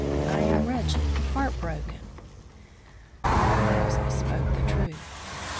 I am wretched, heartbroken." (God knows I spoke the truth.)